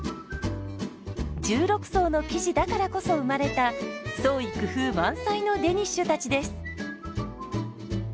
１６層の生地だからこそ生まれた創意工夫満載のデニッシュたちです。